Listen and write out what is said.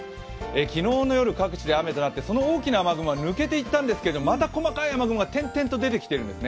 昨日の夜、各地で雨となって、その大きな雨雲は抜けていったんですけど、また細かい雨雲が点々と出てきてるんですね。